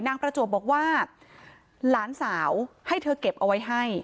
ประจวบบอกว่าหลานสาวให้เธอเก็บเอาไว้ให้